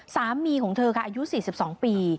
สามีของเธอค่ะอายุ๔๒ปี